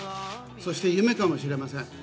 そして夢かもしれません。